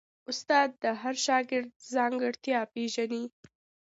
استاد د هر شاګرد ځانګړتیا پېژني.